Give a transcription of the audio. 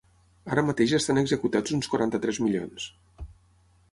Ara mateix estan executats uns quaranta-tres milions.